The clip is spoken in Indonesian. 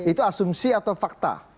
itu asumsi atau fakta